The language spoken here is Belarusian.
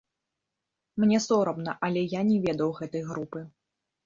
Мне сорамна, але я не ведаў гэтай групы.